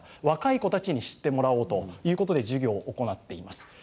若い子たちに知ってもらおうということで授業を行っています。